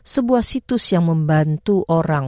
sebuah situs yang membantu orang